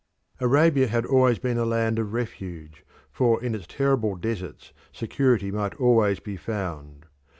Arabia had always been a land of refuge, for in its terrible deserts security might always be found.